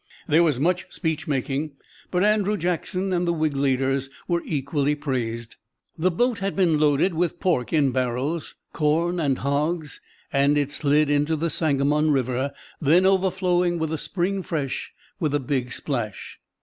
There was much speech making, but Andrew Jackson and the Whig leaders were equally praised. The boat had been loaded with pork in barrels, corn, and hogs, and it slid into the Sangamon River, then overflowing with the spring "fresh," with a big splash.